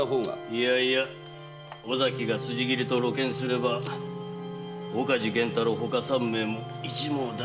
いやいや尾崎が辻斬りと露見すれば岡地玄太郎他三名も一網打尽だ。